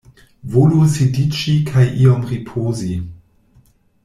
Volu sidiĝi kaj iom ripozi.